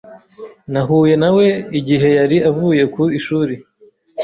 Nahuye na we igihe yari avuye ku ishuri.